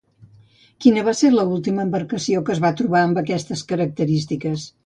Quina va ser l'última embarcació que es va trobar amb aquestes característiques?